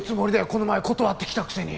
この前断ってきたくせに。